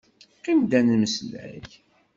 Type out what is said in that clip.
Qim-d ad nemmeslay.